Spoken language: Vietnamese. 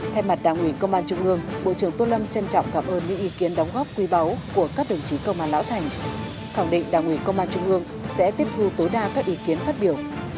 thay mặt đảng ủy công an trung ương bộ trưởng tô lâm trân trọng cảm ơn những ý kiến đóng góp quý báu của các đồng chí công an lão thành khẳng định đảng ủy công an trung ương sẽ tiếp thu tối đa các ý kiến phát biểu